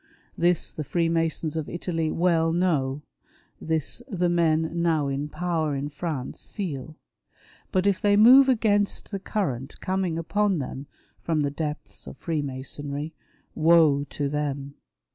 This, the Freemasons of Italy well know ; this, the men now in power in France feel. But if they move against the current coming upon them from the depths of Freemasonry, woe to them.